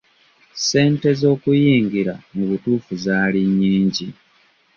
Ssente z'okuyingira mu butuufu zaali nnyingi.